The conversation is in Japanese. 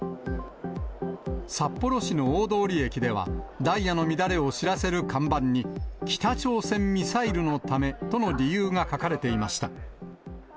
札幌市の大通駅では、ダイヤの乱れを知らせる看板に、北朝鮮ミサイルのためとの理由が書かれていました。